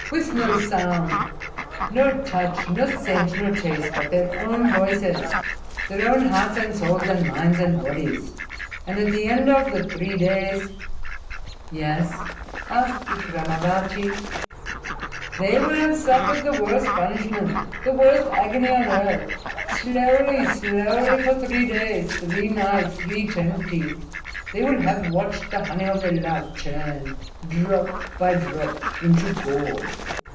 With no sound, no touch, no scent, no taste, but their own voices, their own hearts and souls and minds and bodies! And at the end of the three days " "Yes?" asked Vikramavati. "They will have suffered the worst punishment, the worst agony on earth. Slowly, slowly for three days, three nights, three eternities, they will have watched the honey of their love turn, drop by drop, into gall.